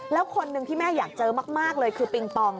แล้วคนหนึ่งที่แม่อยากเจอมากเลยคือปิงปอง